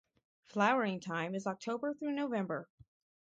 Flowering time is October-November.